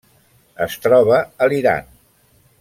Es troba a l'Iran.